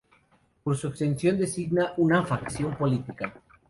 Por extensión, designa a una facción política.